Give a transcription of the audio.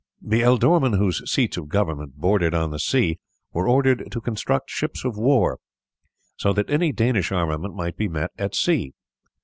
The ealdormen whose seats of government bordered on the sea were ordered to construct ships of war, so that any Danish armament might be met at sea.